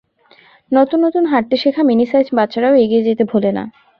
নতুন নতুন হাঁটতে শেখা মিনি সাইজ বাচ্চারাও এগিয়ে যেতে ভোলে না।